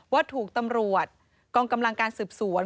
ว่าถูกตำรวจกองกำลังการสืบสวน